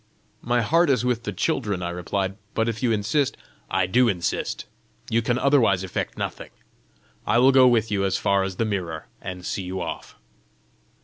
"My heart is with the children," I replied. "But if you insist " "I do insist. You can otherwise effect nothing. I will go with you as far as the mirror, and see you off."